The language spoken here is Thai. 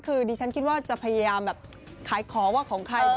คือดิฉันคิดว่าจะพยายามแบบขายของว่าของใคร